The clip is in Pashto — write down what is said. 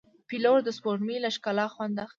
پیلوټ د سپوږمۍ له ښکلا خوند اخلي.